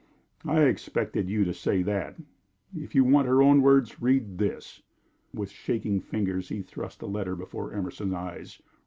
"I expected you to say that. If you want her own words, read this." With shaking fingers, he thrust a letter before Emerson's eyes.